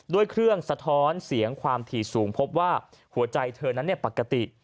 ด้วยเครื่องสะท้อนเสียงความถี่สูงพบว่าหัวใจเธอนั้นปกติ